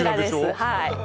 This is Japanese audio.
はい